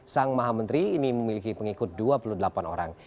sang maha menteri ini memiliki pengikut dua puluh delapan orang